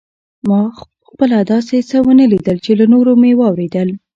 ما خپله داسې څه ونه لیدل خو له نورو مې واورېدل.